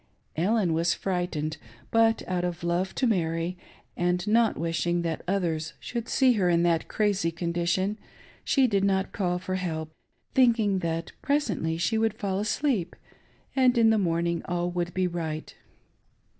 Ellen was frightened ; but out of love to Mary, and not wishing that others should see her in that crazy condition, she did not call for help, thinking tjj^t presently she would fall asleep and in the morning all would be right.